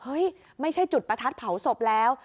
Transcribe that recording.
ไม่ใช่จุดประทัดเผาศพแล้ว